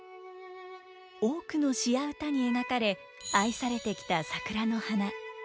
多くの詩や歌に描かれ愛されてきた桜の花。